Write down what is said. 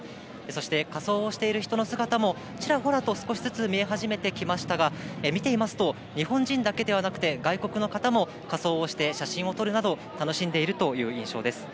そして、仮装をしている人の姿も、ちらほらと少しずつ見え始めてきましたが、見ていますと、日本人だけではなくて、外国の方も仮装をして写真を撮るなど、楽しんでいるという印象です。